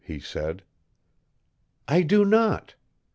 he said. "I do not."